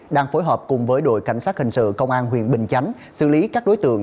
đang phối hợp cùng với đội cảnh sát hình sự công an huyện bình chánh xử lý các đối tượng